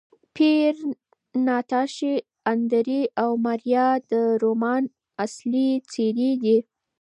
پییر، ناتاشا، اندرې او ماریا د رومان اصلي څېرې دي.